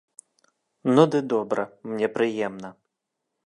Ну ды добра, мне прыемна.